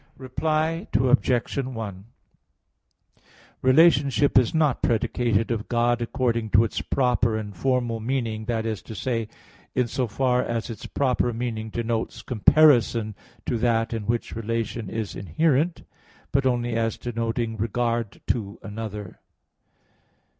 Reply Obj. 1: Relationship is not predicated of God according to its proper and formal meaning, that is to say, in so far as its proper meaning denotes comparison to that in which relation is inherent, but only as denoting regard to another.